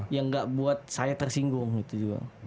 yang gak buat saya tersinggung gitu juga